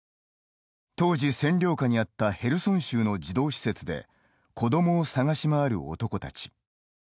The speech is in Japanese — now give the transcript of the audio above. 当時占領下にあったヘルソン州の児童施設で子どもを捜し回る男たち。